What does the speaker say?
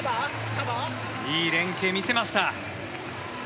いい連係を見せました。